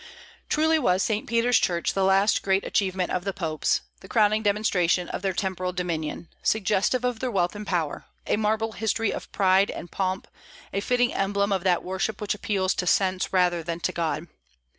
Truly was St. Peter's Church the last great achievement of the popes, the crowning demonstration of their temporal dominion; suggestive of their wealth and power, a marble history of pride and pomp, a fitting emblem of that worship which appeals to sense rather than to God.